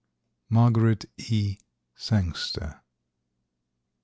—Margaret E. Sangster.